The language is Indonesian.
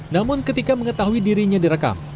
namun ketika mengetahui dirinya direkam